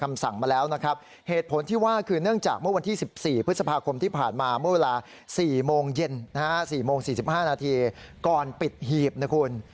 ๔โมงเย็นนะฮะ๔โมง๔๕นาทีก่อนปิดหีบนะคุณ